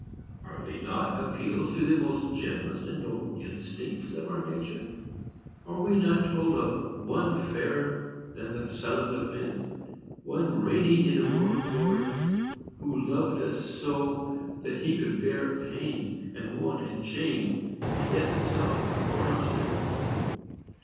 Are they not appeals to the most generous and noble instincts of our nature? Are we not told of One fairer than the sons of men,—One reigning in immortal glory, who loved us so that he could bear pain, and want, and shame, and death itself, for our sake?